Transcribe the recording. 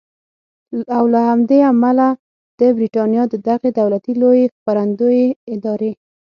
او له همدې امله د بریټانیا د دغې دولتي لویې خپرندویې ادارې